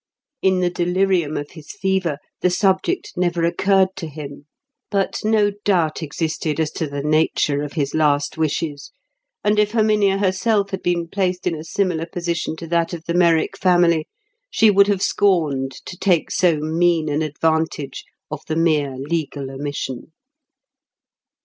In the delirium of his fever, the subject never occurred to him. But no doubt existed as to the nature of his last wishes; and if Herminia herself had been placed in a similar position to that of the Merrick family, she would have scorned to take so mean an advantage of the mere legal omission.